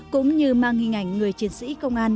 cũng như mang hình ảnh người chiến sĩ công an